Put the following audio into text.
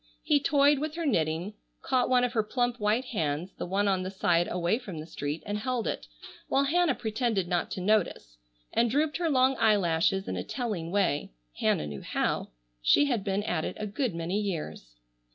He toyed with her knitting, caught one of her plump white hands, the one on the side away from the street, and held it, while Hannah pretended not to notice, and drooped her long eyelashes in a telling way. Hannah knew how. She had been at it a good many years.